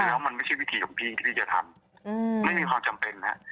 แล้วมันไม่ใช่วิธีของพี่ที่พี่จะทำไม่มีความจำเป็นฮะ